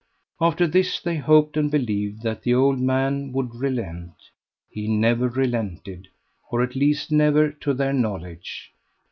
After this they hoped and believed that the old man would relent. He never relented, or at least never to their knowledge.